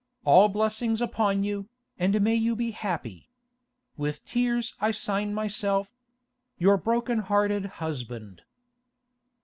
All blessings upon you, and may you be happy.—With tears I sign myself, 'YOUR BROKEN HEARTED HUSBAND.